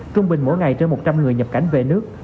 trung bình mỗi ngày trên một trăm linh người nhập cảnh về nước